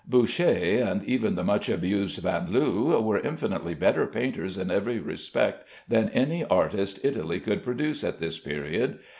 Boucher, and even the much abused Vanloo, were infinitely better painters in every respect than any artist Italy could produce at this period.